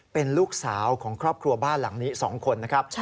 เป็นลูกสาวของครอบครัวบ้านหลังนี้๒คนนะครับ